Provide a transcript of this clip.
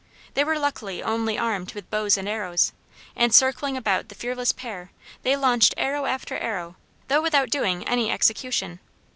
They were luckily only armed with bows and arrows, and, circling about the fearless pair, they launched arrow after arrow, though without doing any execution.